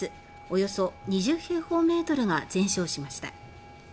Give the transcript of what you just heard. およそ２０平方メートルが全焼しました。